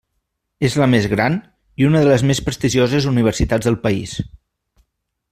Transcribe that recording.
És la més gran, i una de les més prestigioses Universitats del país.